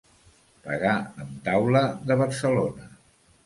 Pagar amb taula de Barcelona.